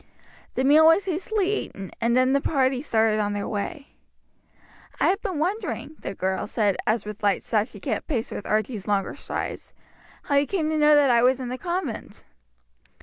The meal was hastily eaten, and then the party started on their way. "I have been wondering," the girl said, as with light steps she kept pace with Archie's longer strides, "how you came to know that I was in the convent."